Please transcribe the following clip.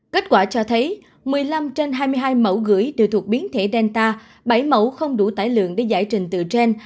kết quả cho thấy một mươi năm trên hai mươi hai mẫu gửi đều thuộc biến thể delta bảy mẫu không đủ tải lượng để giải trình từ trên